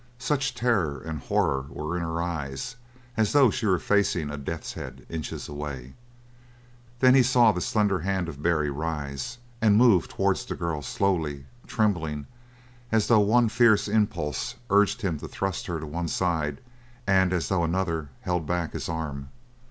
Such terror and horror were in her eyes as though she were facing a death's head inches away. Then he saw the slender hand of Barry rise and move towards the girl, slowly, tremblingly, as though one fierce impulse urged him to thrust her to one side and as though another held back his arm.